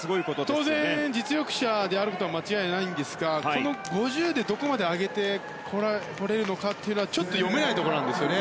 当然、実力者であることは間違いないんですがこの５０でどこまで上げてこれるのかというのはちょっと読めないところなんですよね。